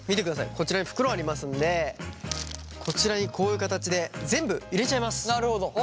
こちらに袋ありますんでこちらにこういう形で全部入れちゃいます。